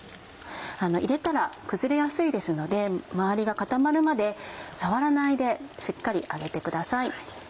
入れたら崩れやすいですので周りが固まるまで触らないでしっかり揚げてください。